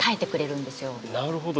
なるほど。